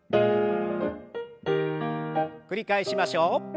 繰り返しましょう。